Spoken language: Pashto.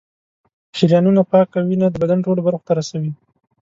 شریانونه پاکه وینه د بدن ټولو برخو ته رسوي.